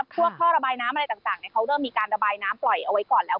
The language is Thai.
ท่อระบายน้ำอะไรต่างเขาเริ่มมีการระบายน้ำปล่อยเอาไว้ก่อนแล้ว